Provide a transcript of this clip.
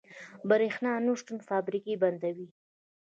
برښنا نشتون فابریکې بندوي.